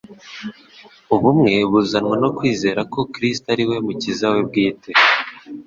Ubumwe buzanwa no kwizera ko Kristo ari we Mukiza w e bwite.